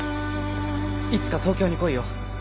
いつか東京に来いよ。